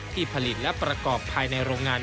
ผลิตและประกอบภายในโรงงาน